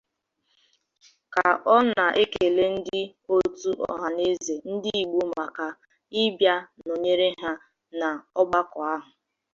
Ka ọ na-ekele ndị òtù Ọhaneze Ndị Igbo maka ịbịa nọnyere ha n'ọgbakọ ahụ